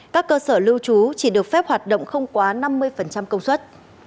các cơ sở lưu trú chỉ được phép hoạt động không quá năm mươi công suất